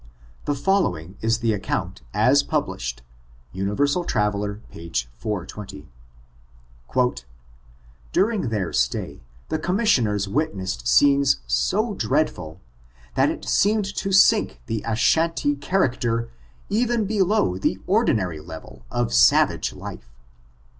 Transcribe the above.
The following is the account as published — Universal Traveler^ page 420: " During their stay, the Commissioners witnessed scenes so dreadful, that it seemed to sink the Ashan tee character even below the ordinary level of savage life.